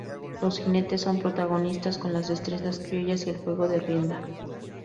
Los jinetes son protagonistas con las destrezas criollas y el juego de rienda.